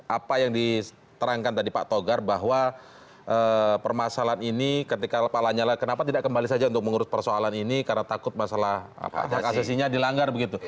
apa yang diterangkan tadi pak togar bahwa permasalahan ini ketika pak lanyala kenapa tidak kembali saja untuk mengurus persoalan ini karena takut masalah hak asasinya dilanggar begitu